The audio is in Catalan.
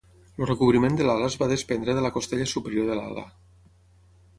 El recobriment de l'ala es va desprendre de la costella superior de l'ala.